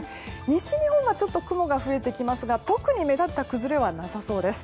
西日本はちょっと雲が増えてきますが特に目立った崩れはなさそうです。